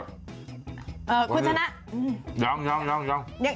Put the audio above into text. คุณชนะ